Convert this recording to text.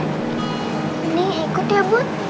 mending ikut ya bund